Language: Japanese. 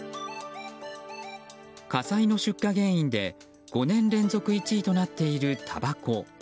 火災の出火原因で５年連続１位となっているたばこ。